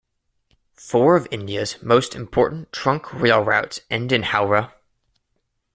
Four of India's most important trunk rail routes end in Howrah.